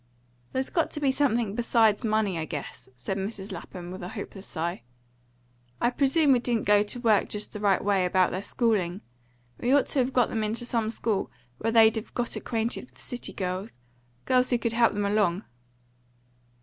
"There's got to be something besides money, I guess," said Mrs. Lapham, with a hopeless sigh. "I presume we didn't go to work just the right way about their schooling. We ought to have got them into some school where they'd have got acquainted with city girls girls who could help them along."